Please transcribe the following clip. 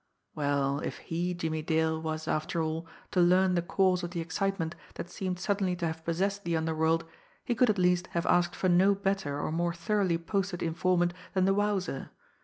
Well, if he, Jimmie Dale, was, after all, to learn the cause of the excitement that seemed suddenly to have possessed the underworld, he could at least have asked for no better or more thoroughly posted informant than the Wowzer.